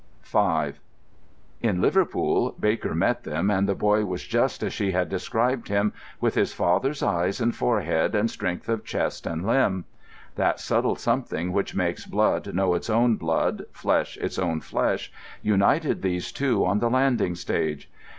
V In Liverpool Baker met them, and the boy was just as she had described him, with his father's eyes and forehead, and strength of chest and limb. That subtle something which makes blood know its own blood, flesh its own flesh, united these two on the landing stage.